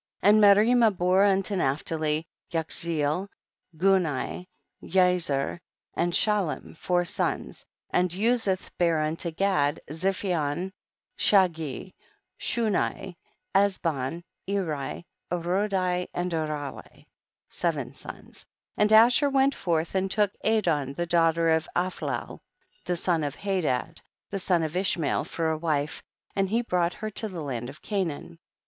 1 1 . And Merimah bare unto Naphtali Yachzeel, Guni, Jazer and Shalem, four sons ; and Uzith bare unto Gad Zephion, Chagi, Shuni, Ezbon, Eri, Arodi and Arali, seven sons. 12. And Asher went forth and took Adon tlie daughter of Aphlal, the son of Hadad, the son of Ish mael, for a wife, and he brought her to the land of Canaan.